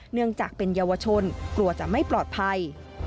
เนื่องจากเป็นเยาวชนกลัวจะไม่ปลอดภัย